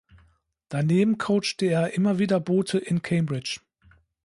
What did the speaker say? Daneben coachte er immer wieder Boote in Cambridge.